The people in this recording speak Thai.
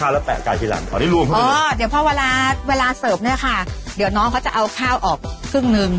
อ๋อเดี๋ยวพอเวลาเสิร์ฟเนี่ยค่ะเดี๋ยวน้องเขาจะเอาข้าวออกครึ่งนึง